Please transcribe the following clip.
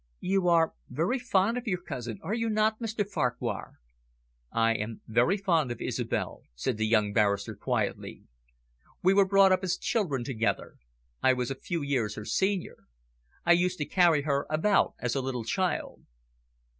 "You are very fond of your cousin, are you not, Mr Farquhar?" "I am very fond of Isobel," said the young barrister quietly. "We were brought up as children together. I was a few years her senior. I used to carry her about as a little child."